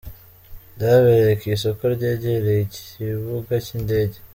Byabereye ku isoko ryegereye ikibuga cy’indege.